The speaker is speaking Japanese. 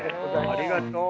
ありがとう。